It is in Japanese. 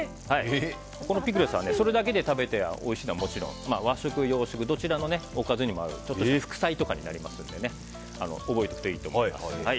ピクルスはそれだけで食べておいしいのはもちろん和食、洋食どちらのおかずにも合うちょっとした副菜になりますので覚えておくといいと思います。